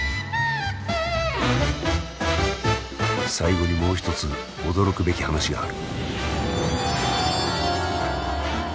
最後にもう一つ驚くべき話がある。